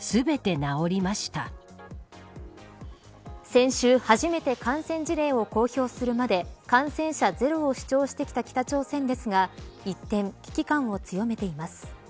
先週、初めて感染事例を公表するまで感染者ゼロを主張してきた北朝鮮ですが一転、危機感を強めています。